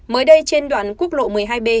mới đây trên đoạn quốc lộ một mươi hai b